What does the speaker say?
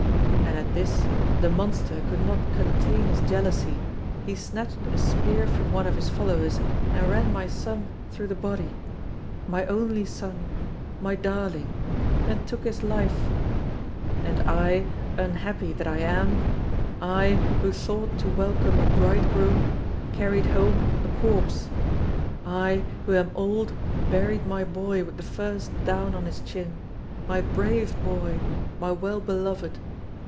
And at this the monster could not contain his jealousy; he snatched a spear from one of his followers and ran my son through the body, my only son, my darling, and took his life. And I, unhappy that I am, I, who thought to welcome a bride groom, carried home a corpse. I, who am old, buried my boy with the first down on his chin, my brave boy, my well beloved.